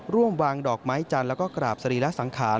ร่วมวางดอกไม้จันทร์แล้วก็กราบสรีระสังขาร